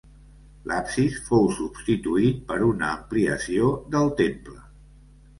L'absis fou substituït per una ampliació del temple.